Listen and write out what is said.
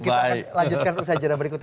kita lanjutkan usai jeda berikutnya